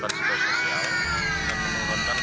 masyarakat yang terdampak gempa